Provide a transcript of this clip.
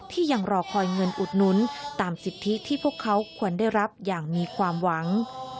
ยังรอคอยเงินอุดหนุนตามสิทธิที่พวกเขาควรได้รับอย่างมีความหวัง